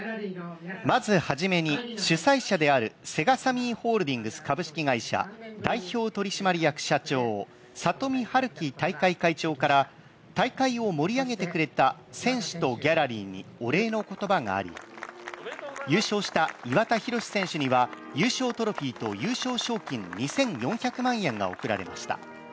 まず初めに、主催者であるセガサミーホールディングス株式会社代表取締役社長里見治紀大会会長から大会を盛り上げてくれた選手とギャラリーにお礼の言葉があり優勝した岩田寛選手には優勝トロフィーと優勝賞金２４００万円が贈られました。